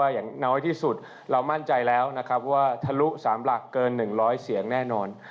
อย่างน้อยที่สุดเรามั่นใจแล้วนะครับว่าทะลุ๓หลักเกิน๑๐๐เสียงแน่นอน